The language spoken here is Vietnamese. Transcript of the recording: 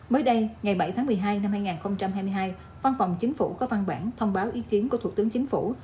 mới đây ngày bảy tháng một mươi hai năm hai nghìn hai mươi hai văn phòng chính phủ có văn bản thông báo ý kiến của thủ tướng chính phủ